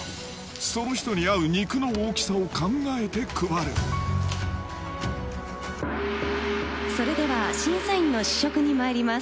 その人に合う肉の大きさを考えて配るそれでは審査員の試食にまいります。